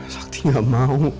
sakti gak mau